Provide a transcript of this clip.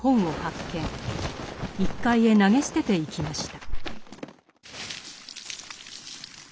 １階へ投げ捨てていきました。